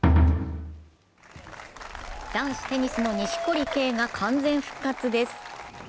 男子テニスの錦織圭が完全復活です。